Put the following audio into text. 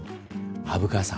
虻川さん